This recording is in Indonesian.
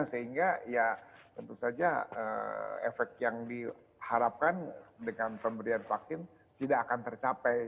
sehingga ya tentu saja efek yang diharapkan dengan pemberian vaksin tidak akan tercapai